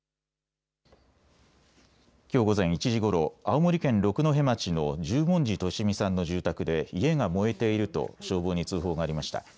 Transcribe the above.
きょう午前１時ごろ青森県六戸町の十文字利美さんの住宅で家が燃えていると消防に通報がありました。